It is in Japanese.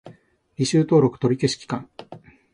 履修登録取り消し期間